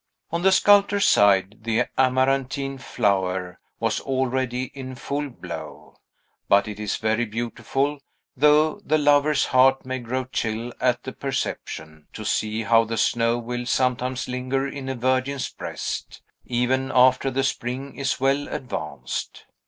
On the sculptor's side, the amaranthine flower was already in full blow. But it is very beautiful, though the lover's heart may grow chill at the perception, to see how the snow will sometimes linger in a virgin's breast, even after the spring is well advanced.